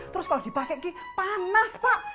terus kalo dipake itu panas pak